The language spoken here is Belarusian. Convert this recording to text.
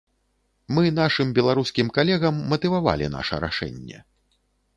Мы нашым беларускім калегам матывавалі наша рашэнне.